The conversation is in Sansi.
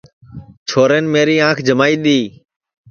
چھورین میری آنکھ جیمائی دؔی